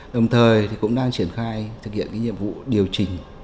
đồng thời cũng đang triển khai thực hiện cái nhiệm vụ điều chỉnh